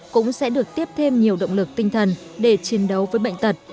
cũng sẽ được tiếp thêm nhiều động lực tinh thần để chiến đấu với bệnh tật